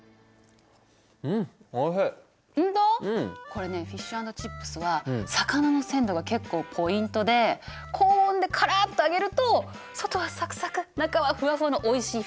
これねフィッシュ＆チップスは魚の鮮度が結構ポイントで高温でカラッと揚げると外はサクサク中はフワフワのおいしい